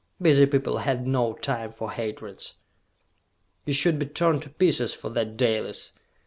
Busy people had no time for hatreds. "You should be torn to pieces for that, Dalis!"